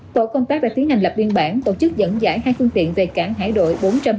tổ công tác đã tiến hành lập viên bản tổ chức dẫn dãi hai phương tiện về cảng hải đội bốn trăm hai mươi một